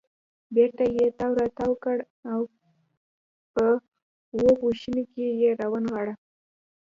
بېرته یې تاو کړ او په اوو پوښونو کې یې را ونغاړه.